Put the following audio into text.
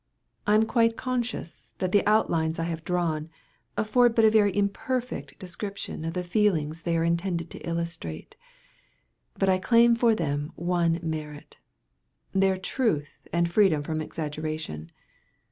I am quite conscious that the outlines I have drawn, afford but a very imperfect description of the feelings they are intended to illustrate; but I claim for them one merit—their truth and freedom from exaggeration.